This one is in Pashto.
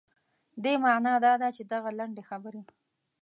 دې معنا دا ده چې دغه لنډې خبرې.